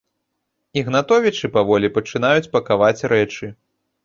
Ігнатовічы паволі пачынаюць пакаваць рэчы.